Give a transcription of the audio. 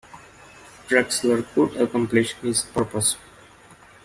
Drexler could accomplish his purpose.